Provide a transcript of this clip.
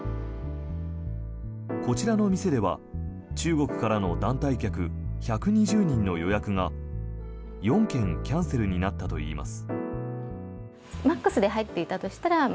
こちらの店では中国からの団体客１２０人の予約が４件キャンセルになったといいます。